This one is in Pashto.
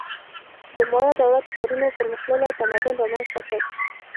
د مایا دولت-ښارونو پرمختللی تمدن رامنځته کړ.